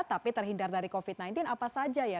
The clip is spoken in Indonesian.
tapi terhindar dari covid sembilan belas apa saja ya